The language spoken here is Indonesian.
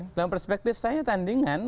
dalam perspektif saya tandingan